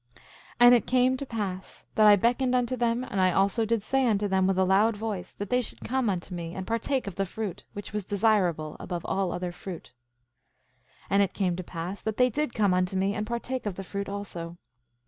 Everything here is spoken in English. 8:15 And it came to pass that I beckoned unto them; and I also did say unto them with a loud voice that they should come unto me, and partake of the fruit, which was desirable above all other fruit. 8:16 And it came to pass that they did come unto me and partake of the fruit also.